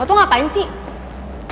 lo tuh ngapain sih